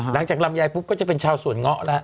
ลำไยปุ๊บก็จะเป็นชาวสวนเงาะแล้ว